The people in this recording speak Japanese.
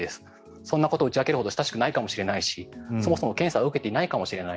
そんなことを打ち明けるほど親しくないしそもそも検査を受けていないかもしれない。